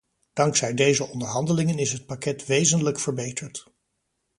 Dankzij deze onderhandelingen is het pakket wezenlijk verbeterd.